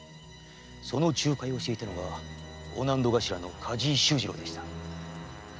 その仲介をしていたのが御納戸頭の梶井修次郎でした。